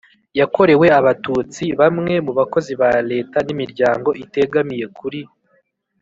yakorewe Abatutsi bamwe mu bakozi ba Leta n imiryango itegamiye kuri